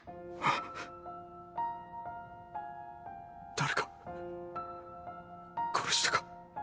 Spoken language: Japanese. ⁉誰か殺したか？